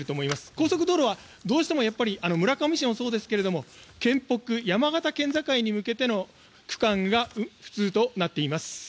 高速道路はどうしても村上市もそうですが県北山形県境に向けての区間が不通となっています。